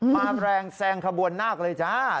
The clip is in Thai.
มาแรงแซงขบวนนาคเลยจ้า